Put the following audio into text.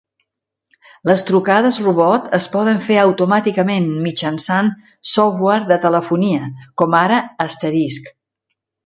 Les trucades robot es poden fer automàticament mitjançant software de telefonia, com ara Asterisk.